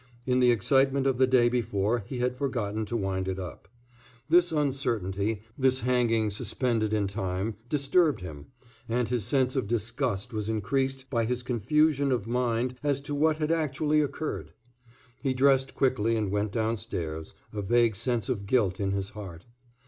In the excitement of the day before he had forgotten to wind it up. This uncertainty, this hanging suspended in time, disturbed him, and his sense of disgust was increased by his confusion of mind as to what had actually occurred. He dressed quickly and went downstairs, a vague sense of guilt in his heart.